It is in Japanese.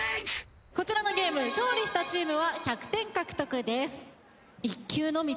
こちらのゲーム勝利したチームは１００点獲得です。